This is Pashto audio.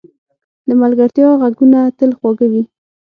د ملګرتیا ږغونه تل خواږه وي.